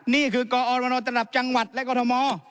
นี่คือกอรมนตระดับจังหวัดและกรทม